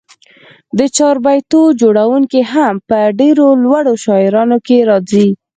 د چاربیتو جوړوونکي هم په ډېرو لوړو شاعرانو کښي راځي.